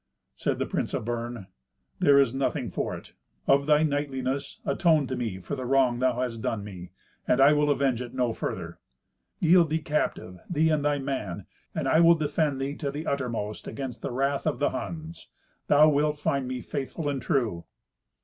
Said the prince of Bern, "There is nothing for it. Of thy knightliness, atone to me for the wrong thou hast done me, and I will avenge it no further. Yield thee captive, thee and thy man, and I will defend thee to the uttermost against the wrath of the Huns. Thou wilt find me faithful and true."